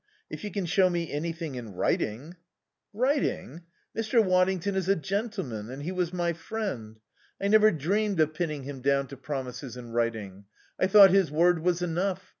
If you can show me anything in writing " "Writing? Mr. Waddington is a gentleman and he was my friend. I never dreamed of pinning him down to promises in writing. I thought his word was enough.